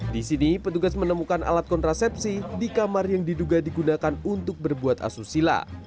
di sini petugas menemukan alat kontrasepsi di kamar yang diduga digunakan untuk berbuat asusila